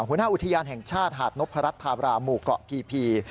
หัวหน้าอุทยานแห่งชาติหาดนพรัชธาบราหมู่เกาะกี่พี